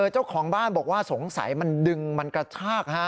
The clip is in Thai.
เจ้าของบ้านบอกว่าสงสัยมันดึงมันกระชาก